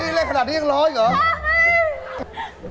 นี่เล่นขนาดนี้ยังร้องอีกเหรอ